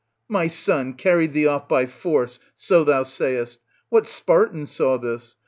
my son carried thee off by force, so thou sayest ; what Spartan saw this?